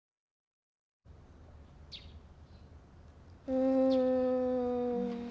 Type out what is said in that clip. うん。